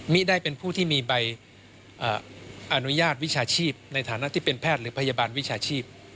ได้เป็นผู้ที่มีใบอนุญาตวิชาชีพในฐานะที่เป็นแพทย์หรือพยาบาลวิชาชีพ